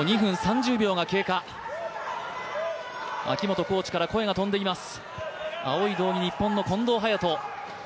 秋本コーチから声が飛んでいます。